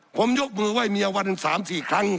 สับขาหลอกกันไปสับขาหลอกกันไป